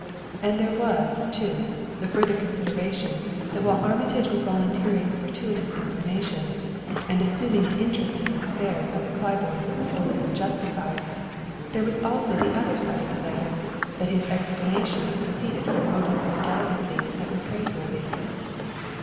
And there was, too, the further consideration that while Armitage was volunteering gratuitous information, and assuming an interest in his affairs by the Claibornes that was wholly unjustified, there was also the other side of the matter: that his explanations proceeded from motives of delicacy that were praiseworthy.